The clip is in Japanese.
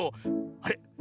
あれ？